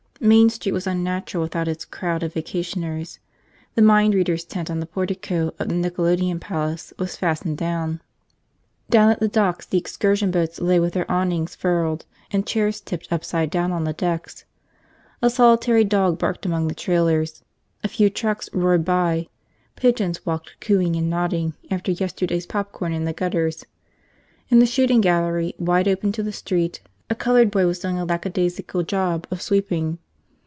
Main Street was unnatural without its crowd of vacationers. The mind reader's tent on the portico of the Nickelodeon Palace was fastened shut. Down at the docks the excursion boats lay with their awnings furled and chairs tipped upside down on the decks. A solitary dog barked among the trailers, a few trucks roared by, pigeons walked cooing and nodding after yesterday's popcorn in the gutters. In the shooting gallery, wide open to the street, a colored boy was doing a lackadaisical job of sweeping.